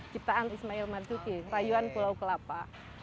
ciptaan ismail marzuki rayuan pulau kelapa